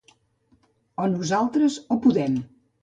O nosaltres o Podem.